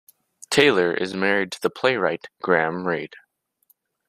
Taylor is married to the playwright Graham Reid.